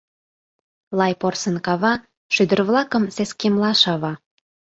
Лай порсын кава, шӱдыр-влакым сескемла шава.